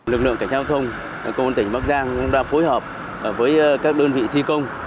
lực lượng cảnh giao thông công an tỉnh bắc giang đang phối hợp với các đơn vị thi công